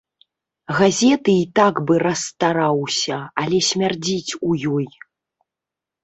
Газеты і так бы расстараўся, але смярдзіць у ёй.